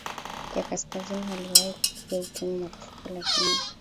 ya kaskazini yaliwahi kupiga utumwa marufuku lakini